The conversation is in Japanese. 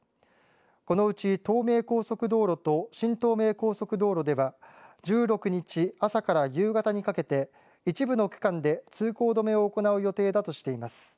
このうち東名高速道路と新東名高速道路では１６日、朝から夕方にかけて一部の区間で通行止めを行う予定だとしています。